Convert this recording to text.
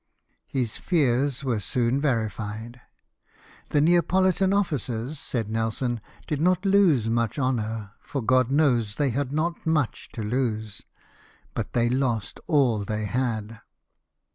His fears were soon vended. " The Neapolitan officers," said Nelson, " did not lose much honour, for, God knows, they had not much to lose ; but they lost all they had."